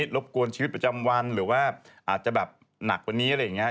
รบกวนชีวิตประจำวันหรือว่าอาจจะแบบหนักกว่านี้อะไรอย่างนี้